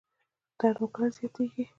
درد مو کله زیاتیږي؟